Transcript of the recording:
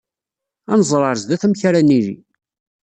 Ad nẓer ɣer zzat amek ara nili.